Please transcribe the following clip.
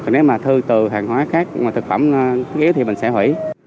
nếu mà thư từ hàng hóa khác mà thực phẩm ghế thì mình sẽ hủy